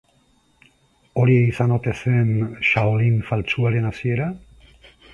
Hori izan ote zen shaolin faltsuaren hasiera?